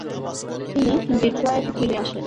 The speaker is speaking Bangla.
তিনি ডেট্রয়েটে ফিরে আসেন।